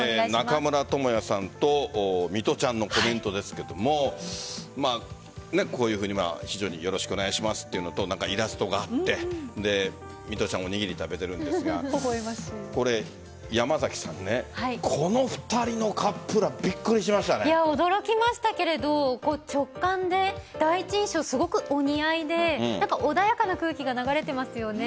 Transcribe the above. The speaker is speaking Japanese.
中村倫也さんと水卜ちゃんのコメントですがこういうふうによろしくお願いしますというのとイラストがあって水卜ちゃんおにぎり食べているんですがこの２人のカップルは驚きましたけれど直感で第一印象すごくお似合いで穏やかな空気が流れていますよね。